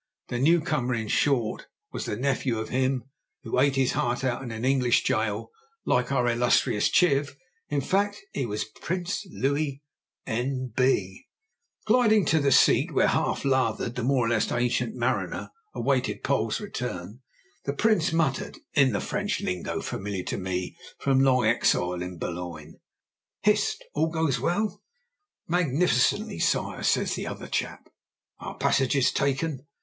The new comer, in short, was the nephew of him who ate his heart out in an English gaol (like our illustrious Chiv)—in fact, he was Prince Louis N— B—. Gliding to the seat where, half lathered, the more or less ancient Mariner awaited Poll's return, the Prince muttered (in the French lingo, familiar to me from long exile in Boulogne): "Hist, goes all well?" "Magnificently, Sire!" says the other chap. "Our passages taken?"